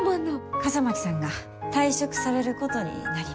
笠巻さんが退職されることになりました。